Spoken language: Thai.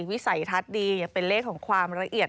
วิสัยทัศน์ดีเป็นเลขของความละเอียด